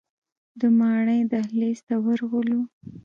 د ماڼۍ دهلیز ته ورغلو.